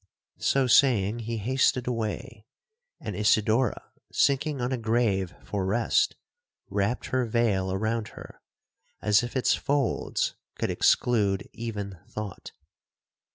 So saying he hasted away, and Isidora, sinking on a grave for rest, wrapt her veil around her, as if its folds could exclude even thought.